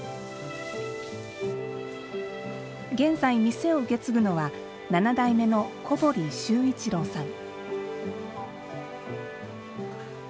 現在、店を受け継ぐのは７代目の小堀周一郎さん。